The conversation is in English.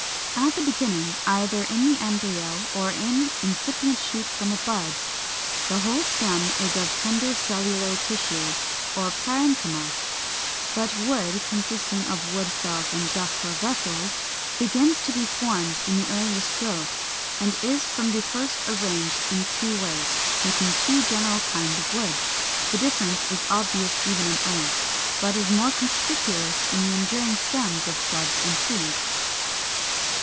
424. At the beginning, either in the embryo or in an incipient shoot from a bud, the whole stem is of tender cellular tissue or parenchyma. But wood (consisting of wood cells and ducts or vessels) begins to be formed in the earliest growth; and is from the first arranged in two ways, making two general kinds of wood. The difference is obvious even in herbs, but is more conspicuous in the enduring stems of shrubs and trees.